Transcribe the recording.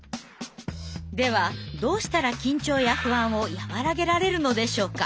ではどうしたら緊張や不安を和らげられるのでしょうか。